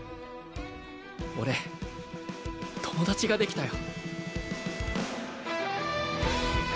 俺友達ができたよ